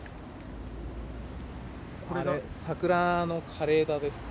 あれ、桜の枯れ枝ですね。